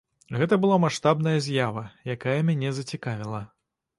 Гэта была маштабная з'ява, якая мяне зацікавіла.